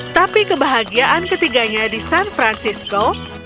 tapi kebahagiaan ketiganya di san francisco